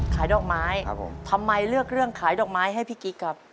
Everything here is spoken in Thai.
ดอกไม้ครับผมทำไมเลือกเรื่องขายดอกไม้ให้พี่กิ๊กครับ